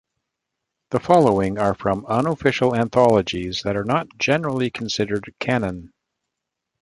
The following are from unofficial anthologies that are not generally considered canon.